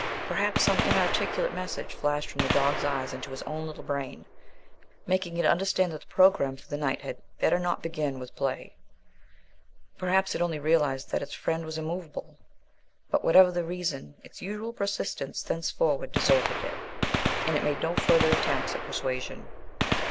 Perhaps some inarticulate message flashed from the dog's eyes into its own little brain, making it understand that the program for the night had better not begin with play. Perhaps it only realized that its friend was immovable. But, whatever the reason, its usual persistence thenceforward deserted it, and it made no further attempts at persuasion.